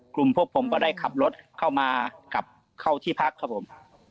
กลุ่มพวกผมก็ได้ขับรถเข้ามากลับเข้าที่พักครับผม